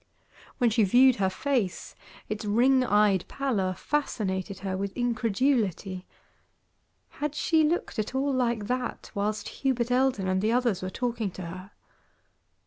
When she viewed her face, its ring eyed pallor fascinated her with incredulity. Had she looked at all like that whilst Hubert Eldon and the others were talking to her?